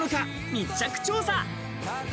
密着調査。